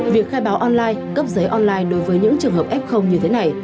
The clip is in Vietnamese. việc khai báo online cấp giấy online đối với những trường hợp f như thế này